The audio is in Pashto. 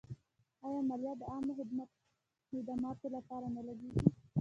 آیا مالیه د عامه خدماتو لپاره نه لګیږي؟